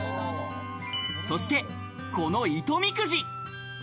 そして、この糸みくじ。